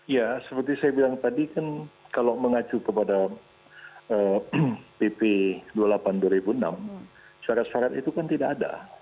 ya seperti saya bilang tadi kan kalau mengacu kepada pp dua puluh delapan dua ribu enam syarat syarat itu kan tidak ada